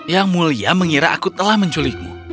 yang mulia mengira aku telah menculikmu